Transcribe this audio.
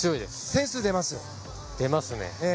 出ますね。